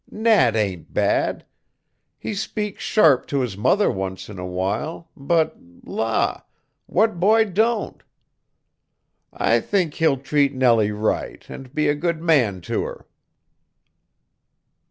Nat ain't bad. He speaks sharp to his mother once in a while, but la what boy don't? I think he'll treat Nellie right and be a good man to her."